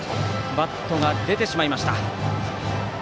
バットが出てしまいました。